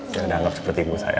dia udah anggap seperti ibu saya